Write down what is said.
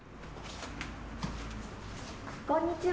こんにちは。